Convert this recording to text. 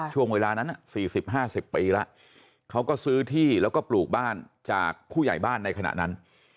ช่วงเวลานั้น๔๐๕๐ปีแล้วเขาก็ซื้อที่แล้วก็ปลูกบ้านจากผู้ใหญ่บ้านในขณะนั้น